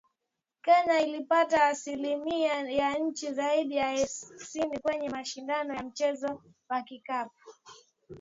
Kenya ilipata asilimia ya chini zaidi ya hamsini kwenye mashindano ya mchezo wa kikapu